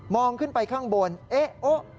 ขึ้นไปข้างบนเอ๊ะโอ๊ะ